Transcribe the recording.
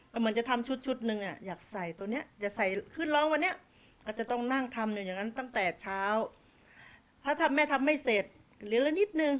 เก่งทุกอย่างพี่เก่งทุกอย่างจริง